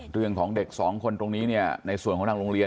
เรื่องของเด็กสองคนตรงนี้เนี่ยในส่วนของทางโรงเรียน